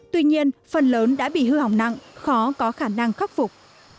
tuy nhiên phần lớn đã bị hư hỏng nặng khó có khả năng khắc phục